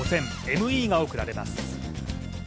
ＭＥが贈られます